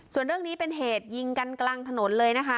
ส่วนเรื่องนี้เป็นเหตุยิงกันกลางถนนเลยนะคะ